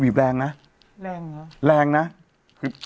ปรากฏว่าจังหวัดที่ลงจากรถ